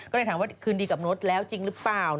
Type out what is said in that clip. ก็เลยถามว่าคืนดีกับโน้ตแล้วจริงหรือเปล่า